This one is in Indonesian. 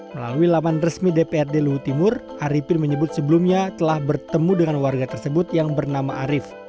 melalui laman resmi dprd luwu timur ari pin menyebut sebelumnya telah bertemu dengan warga tersebut yang bernama arif